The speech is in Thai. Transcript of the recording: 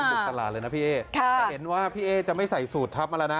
บุกตลาดเลยนะพี่เอ๊จะเห็นว่าพี่เอ๊จะไม่ใส่สูตรทัพมาแล้วนะ